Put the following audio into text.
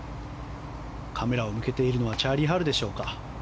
カメラを向けているのはチャーリー・ハルでしょうか。